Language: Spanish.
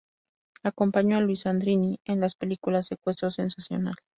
Acompañó a Luis Sandrini en las películas "Secuestro sensacional!!!